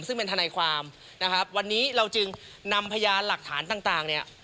ซึ่งเป็นทนายความนะครับวันนี้เราจึงนำพยานหลักฐานต่างต่างเนี่ย